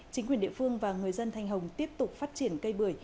chính quyền địa phương và người dân thanh hồng tiếp tục phát triển cây bưởi